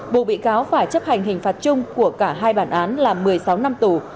bộ bị cáo phải chấp hành hình phạt chung của cả hai bản án là một mươi sáu năm tù